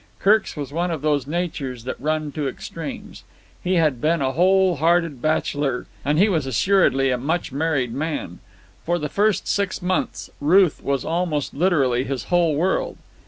Kirk's was one of those natures that run to extremes. He had been a whole hearted bachelor, and he was assuredly a much married man. For the first six months Ruth was almost literally his whole world.